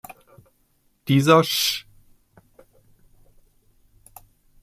Dieser Sch.